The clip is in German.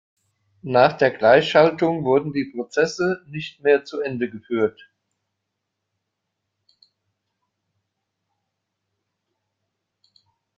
Nach der Gleichschaltung wurden die Prozesse nicht mehr zu Ende geführt.